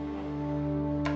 melamar orang lain